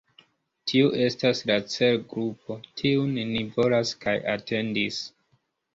Tiu estas la celgrupo, tiun ni volas kaj atendis.